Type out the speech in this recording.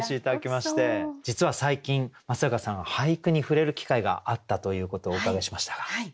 実は最近松坂さん俳句に触れる機会があったということをお伺いしましたが。